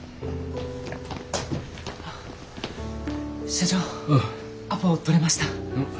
社長アポ取れました。